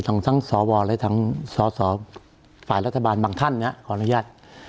ทั้งสวและทั้งสสฝ่ายรัฐบาลบางท่านขออนุญาต